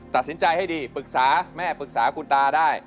ตัดสินใจให้ดีปรึกษาแม่ปรึกษาคุณตาได้